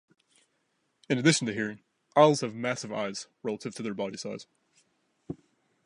In addition to hearing, owls have massive eyes relative to their body size.